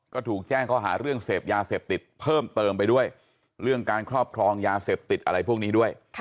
ก็ถูกแจ้งข้อหาเรื่องเสพยาเสพติดเพิ่มเติมไปด้วยเรื่องการครอบครองยาเสพติดอะไรพวกนี้ด้วย